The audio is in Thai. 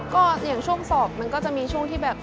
ก็อย่างช่วงสอบมันก็จะมีช่วงที่แบบ